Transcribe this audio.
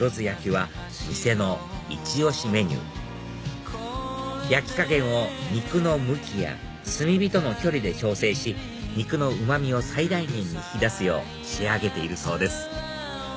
焼きは店のイチ押しメニュー焼き加減を肉の向きや炭火との距離で調整し肉のうま味を最大限に引き出すよう仕上げているそうです